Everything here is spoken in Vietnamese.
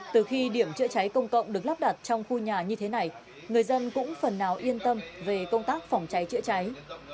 từ khi điểm chữa cháy công cộng được lắp đặt trong khu nhà như thế này người dân cũng phần nào yên tâm về công tác phòng cháy chữa cháy